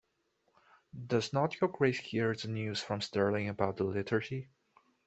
Does not your Grace hear the news from Stirling about the liturgy?